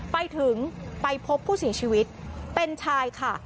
ไปถึงไปพบผู้เสียชีวิตเป็นชายค่ะ